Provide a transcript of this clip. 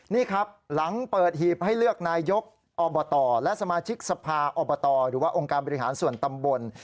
นี่ครับหลังเปิดหีบให้เลือกนายกอบตและสมาชิกสภาอบตหรือว่าองค์การบริหารส่วนตำบล